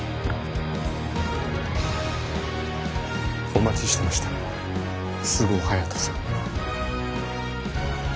お待ちしてました菅生隼人さん